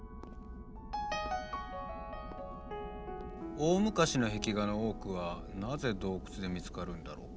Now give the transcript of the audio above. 大昔の壁画の多くはなぜ洞窟で見つかるんだろうか。